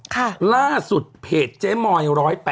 ล่าสุดเพจเจ๊มอย๑๐๘